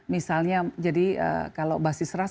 misalnya jadi kalau basis ras